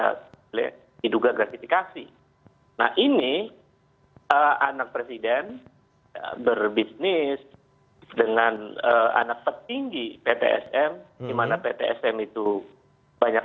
tidak diduga gratifikasi nah ini anak presiden berbisnis dengan anak petinggi ptsm dimana ptsm itu banyak